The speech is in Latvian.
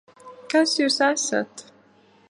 Kas Jūs esat?